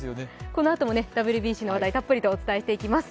このあともＷＢＣの話題、たっぷりとお伝えしていきます。